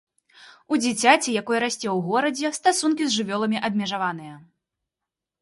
У дзіцяці, якое расце ў горадзе, стасункі з жывёламі абмежаваныя.